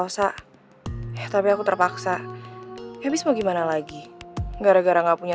sampai jumpa di video selanjutnya